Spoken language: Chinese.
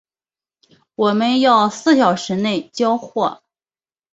我们要四小时内交货